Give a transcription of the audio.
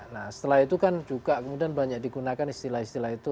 nah setelah itu kan juga kemudian banyak digunakan istilah istilah itu